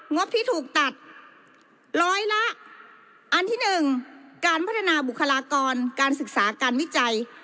งบที่ถูกตัดร้อยละอันที่๑การพัฒนาบุคลากรการศึกษาการวิจัย